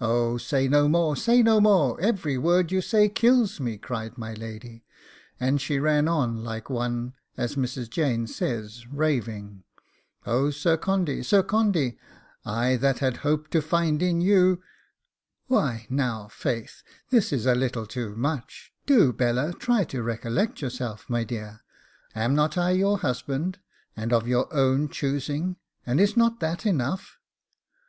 'Oh, say no more, say no more; every word you say kills me,' cried my lady; and she ran on like one, as Mrs. Jane says, raving, 'Oh, Sir Condy, Sir Condy! I that had hoped to find in you ' 'Why now, faith, this is a little too much; do, Bella, try to recollect yourself, my dear; am not I your husband, and of your own choosing, and is not that enough?